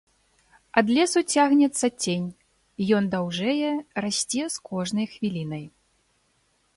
Ад лесу цягнецца цень, ён даўжэе, расце з кожнай хвілінай.